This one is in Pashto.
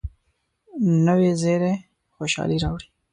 نوې زیري خوشالي راوړي